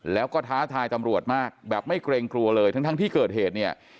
แล้วก็ท้าทายตำรวจมากแบบไม่เกรงกลัวเลยทั้งทั้งที่เกิดเหตุเนี่ย